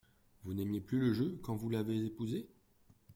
Vous n'aimiez plus le jeu quand vous l'avez épousé.